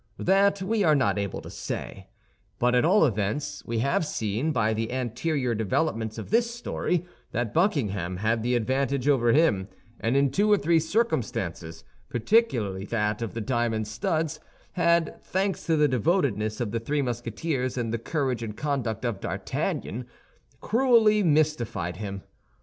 That we are not able to say; but at all events, we have seen, by the anterior developments of this story, that Buckingham had the advantage over him, and in two or three circumstances, particularly that of the diamond studs, had, thanks to the devotedness of the three Musketeers and the courage and conduct of D'Artagnan, cruelly mystified him.